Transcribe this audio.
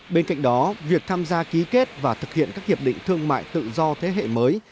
bên cạnh đó việc tham gia ký kết và thực hiện các hiệp định thương mại tự do thế hệ mới